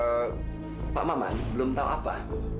eh pak maman belum tau apa